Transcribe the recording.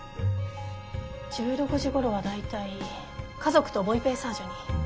１６時ごろは大体家族とボウ・ペイサージュに。